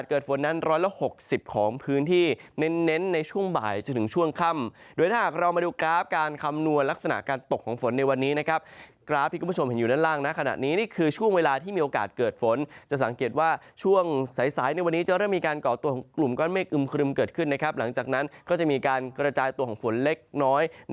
เกิดฝนนั้นร้อยละ๖๐ของพื้นที่เน้นในช่วงบ่ายจนถึงช่วงค่ำโดยถ้าหากเรามาดูกราฟการคำนวณลักษณะการตกของฝนในวันนี้นะครับกราฟที่คุณผู้ชมเห็นอยู่ด้านล่างนะขณะนี้นี่คือช่วงเวลาที่มีโอกาสเกิดฝนจะสังเกตว่าช่วงสายในวันนี้จะเริ่มมีการก่อตัวของกลุ่มก้อนเมฆอึมครึมเกิดขึ้นนะครับหลังจากนั้นก็จะมีการกระจายตัวของฝนเล็กน้อย